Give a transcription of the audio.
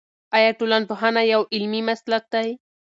آیا ټولنپوهنه یو علمي مسلک دی؟